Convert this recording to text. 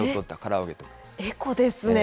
エコですね。